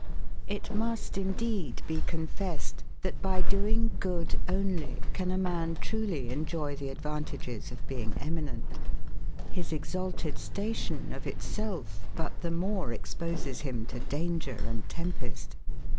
]. It must, indeed, be confessed, that by doing good only, can a man truly enjoy the advantages of being eminent. His exalted station, of itself but the more exposes him to danger and tempest.